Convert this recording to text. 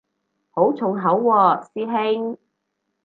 好重口喎師兄